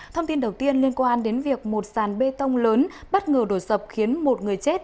thông tin đầu tiên liên quan đến việc một sàn bê tông lớn bất ngờ đổ sập khiến một người chết